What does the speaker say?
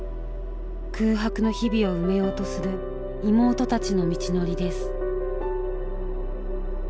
空白の日々を埋めようとする妹たちの道のりです。